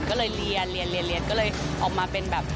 ก็เลยเรียนเรียนเรียนก็เลยออกมาเป็นแบบ